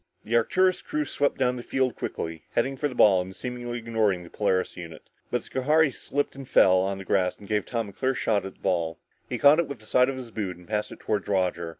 The Arcturus crew swept down the field quickly, heading for the ball and seemingly ignoring the Polaris unit. But Schohari slipped and fell on the grass which gave Tom a clear shot at the ball. He caught it with the side of his boot and passed it toward Roger.